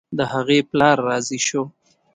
د هغې پلار راضي شو.